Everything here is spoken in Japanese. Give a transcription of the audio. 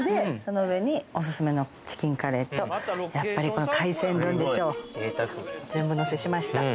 その上におすすめのチキンカレーとやっぱりこの海鮮丼でしょう全部のせしました